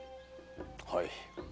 はい。